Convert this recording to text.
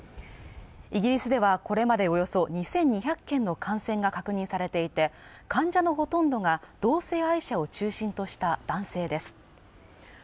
イギリスではこれまでおよそ２２００件の感染が確認されていて患者のほとんどが同性愛者を中心とした男性です